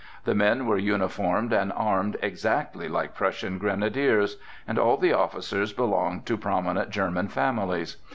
The men were uniformed and armed exactly like Prussian grenadiers, and all the officers belonged to prominent German families.